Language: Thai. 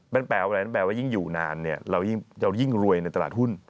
มันแปลว่ายิ่งอยู่นานเรายิ่งรวยในตลาดหุ้น